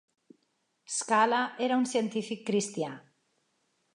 Skala era un científic cristià.